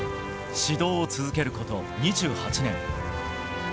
指導を続けること２８年。